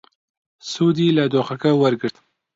سوودی لە دۆخەکە وەرگرت.